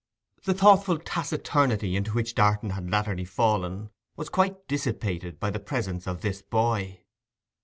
The thoughtful taciturnity into which Darton had latterly fallen was quite dissipated by the presence of this boy.